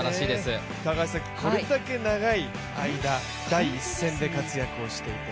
これだけ長い間、第一線で活躍している。